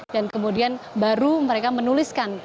dan kemudian baru mereka menuliskan